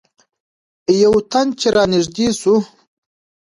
یو تن چې رانږدې شو.